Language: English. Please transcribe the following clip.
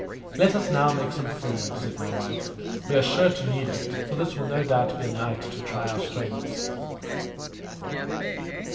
"Let us now take some food," said my wife. "We are sure to need it, for this will no doubt be a night to try our strength."